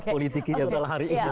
politiknya setiap hari itu